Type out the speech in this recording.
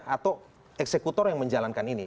atau eksekutor yang menjalankan ini